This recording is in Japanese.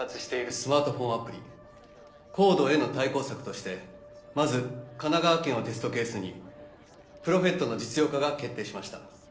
スマートフォンアプリＣＯＤＥへの対抗策としてまず神奈川県をテストケースにプロフェットの実用化が決定しました。